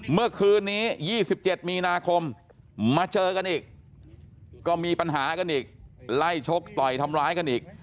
เมื่อคืนนี้๒๗มีนาคมมาเจอกันอีกก็มีปัญหากันอีกไล่ชกต่อยทำร้ายกันอีก